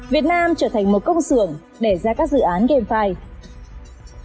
việt nam trở thành một công sưởng để ra các dự án game file